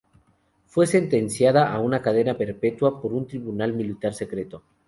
Fue sentenciada a cadena perpetua por un tribunal militar secreto.